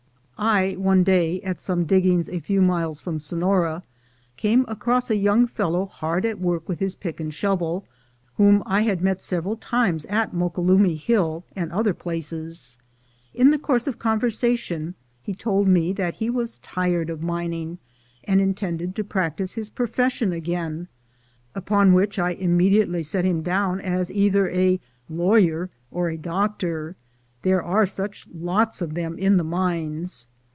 I one day, at some diggings a few miles from Sonora, came across a young fellow hard at work with his pick and shovel, whom I had met several times at Moquelumne Hill and other places. In the course of conversation he told me that he was tired of mining, and intended to practice his profession again; upon which I immediately set him down as either a lawyer or a doctor, there are such lots of them in the mines.